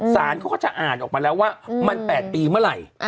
สารเขาก็จะอ่านออกมาแล้วว่ามัน๘ปีเมื่อไหร่